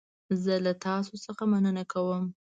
زه له تاسو څخه مننه کوم.